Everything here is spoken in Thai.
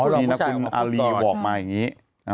อ๋อจริงหน่ะคุณอารีย์บอกมาอย่างนี้